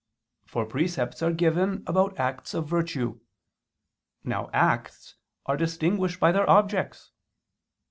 For precepts are given about acts of virtue. Now acts are distinguished by their objects.